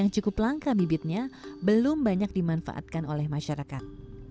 yang cukup langka bibitnya belum banyak dimanfaatkan oleh masyarakat